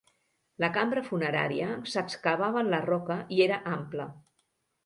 La cambra funerària s'excavava en la roca i era ampla.